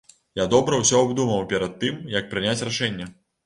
Я добра ўсё абдумаў перад тым, як прыняць рашэнне.